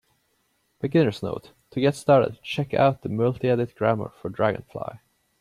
Beginner's note: to get started, check out the multiedit grammar for dragonfly.